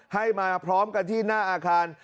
ให้มาพร้อมกันที่หน้าอาคาร